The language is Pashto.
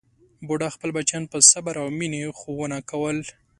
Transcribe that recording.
بوډا خپل بچیان په صبر او مینې ښوونه کول.